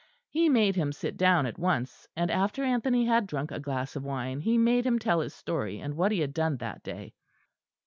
He made him sit down at once, and after Anthony had drunk a glass of wine, he made him tell his story and what he had done that day.